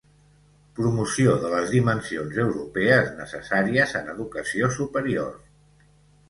Promoció de les dimensions europees necessàries en educació superior